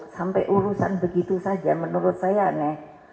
sampai urusan begitu saja menurut saya aneh